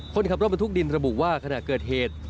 คนขับรถบรรทุกดินระบุว่าขณะเกิดเหตุ